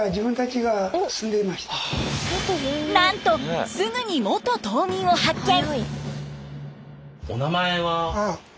なんとすぐに元島民を発見！